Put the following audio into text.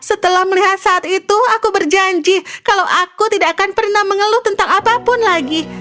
setelah melihat saat itu aku berjanji kalau aku tidak akan pernah mengeluh tentang apapun lagi